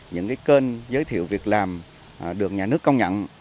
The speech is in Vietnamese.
những kênh giới thiệu việc làm được nhà nước công nhận